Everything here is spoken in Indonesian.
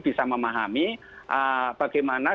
bisa memahami bagaimana